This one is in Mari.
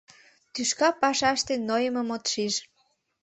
— Тӱшка пашаште нойымым от шиж.